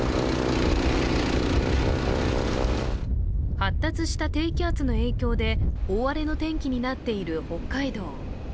発達した低気圧の影響で大荒れの天気になっている北海道。